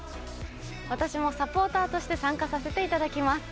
私もサポーターとして参加させていただきます。